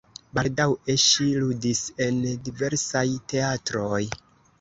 Baldaŭe ŝi ludis en diversaj teatroj.